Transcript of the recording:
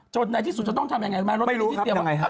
จนใดที่สุดจะต้องทำยังไงไม่รู้ครับยังไงครับ